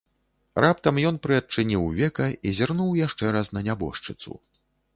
Раптам ён прыадчыніў века і зірнуў яшчэ раз на нябожчыцу.